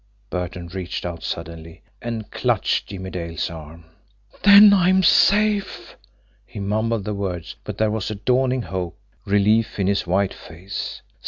Burton reached out suddenly and clutched Jimmie Dale's arm. "Then I'm safe!" He mumbled the words, but there was dawning hope, relief in his white face.